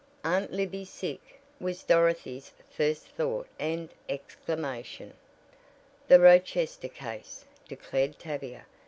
"Aunt Libby sick," was Dorothy's first thought and exclamation. "The Rochester case," declared Tavia.